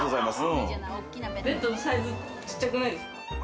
ベッド、サイズ、ちっちゃくないですか？